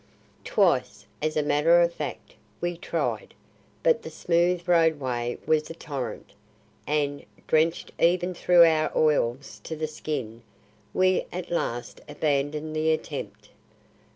Twice, as a matter of fact, we tried; but the smooth roadway was a torrent, and, drenched even through our oils to the skin, we at last abandoned the attempt.